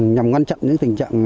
nhằm ngăn chặn những tình trạng